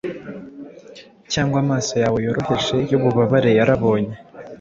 Cyangwa amaso yawe yoroheje yububabare yarabonye